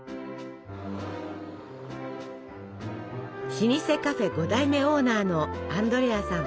老舗カフェ５代目オーナーのアンドレアさん。